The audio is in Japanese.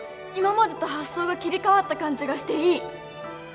今までと発想が切り替わった感じがしていい！